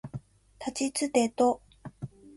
たちつてと